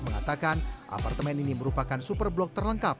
mengatakan apartemen ini merupakan super blok terlengkap